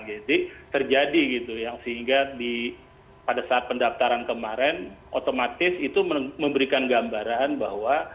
jadi terjadi gitu yang sehingga pada saat pendaftaran kemarin otomatis itu memberikan gambaran bahwa